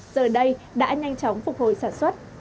giờ đây đã nhanh chóng phục hồi sản xuất